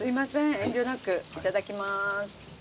遠慮なくいただきます。